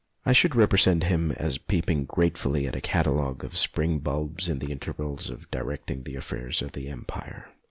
I should represent him as peep ing gratefully at a catalogue of spring bulbs in the intervals of directing the affairs of the Empire.